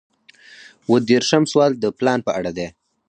اووه دېرشم سوال د پلان په اړه دی.